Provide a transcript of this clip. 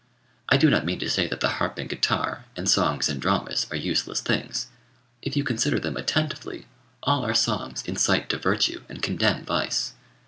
I do not mean to say that the harp and guitar, and songs and dramas, are useless things. If you consider them attentively, all our songs incite to virtue and condemn vice.